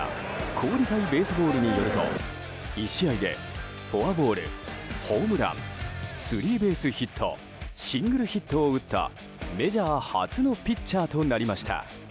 コーディファイ・ベースボールによると１試合でフォアボール、ホームランスリーベースヒットシングルヒットを打ったメジャー初のピッチャーとなりました。